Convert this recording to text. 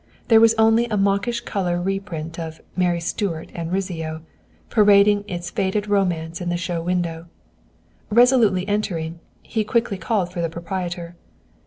There was only a mawkish color reprint of "Mary Stuart and Rizzio" parading its faded romance in the show window. Resolutely entering, he quickly called for the proprietor.